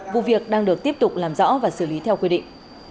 vụ việc đang được tiếp tục làm rõ và xử lý theo quy định